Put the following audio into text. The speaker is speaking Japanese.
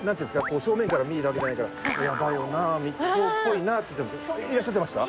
こう正面から見えたわけじゃないから「いやだよな？そうっぽいな」って言ってたんですいらっしゃってました？